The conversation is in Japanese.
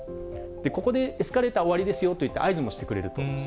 ここで、エスカレーター終わりですよと言って、合図をしてくれる。